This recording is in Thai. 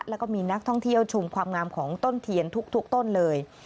แล้วก็มีนักท่องเที่ยวชมความงามของต้นเทียนทุกต้นเลย